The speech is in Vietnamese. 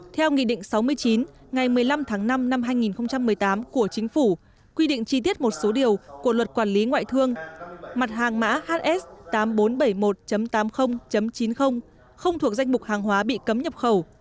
theo nghị định sáu mươi chín ngày một mươi năm tháng năm năm hai nghìn một mươi tám của chính phủ quy định chi tiết một số điều của luật quản lý ngoại thương mặt hàng mã hs tám nghìn bốn trăm bảy mươi một tám mươi chín mươi không thuộc danh mục hàng hóa bị cấm nhập khẩu